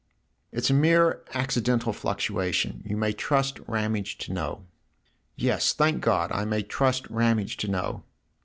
" It's a mere accidental fluctuation. You may trust Ramage to know." "Yes, thank God, I may trust Ramage to know